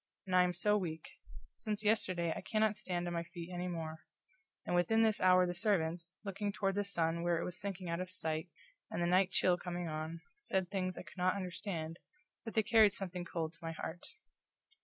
And I am so weak; since yesterday I cannot stand on my feet anymore. And within this hour the servants, looking toward the sun where it was sinking out of sight and the night chill coming on, said things I could not understand, but they carried something cold to my heart.